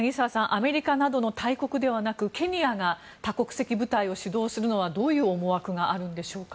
アメリカなどの大国ではなくケニアが多国籍部隊を主導するのはどういう思惑があるのでしょうか。